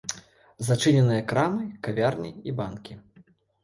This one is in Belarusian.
Зачыненыя крамы, кавярні і банкі.